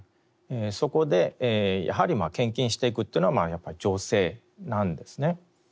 そこでやはり献金していくというのはやっぱり女性なんですね。